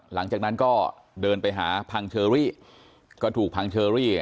หลังจากนั้นก็เดินไปหาพังเชอรี่ก็ถูกพังเชอรี่